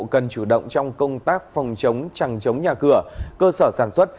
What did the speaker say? cần chủ động trong công tác phòng chống chẳng chống nhà cửa cơ sở sản xuất